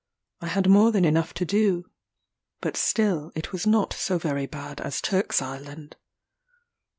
I had more than enough to do but still it was not so very bad as Turk's Island.